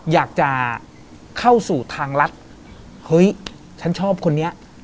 อยากจะเข้าสู่ทางรัฐเฮ้ยฉันชอบคนนี้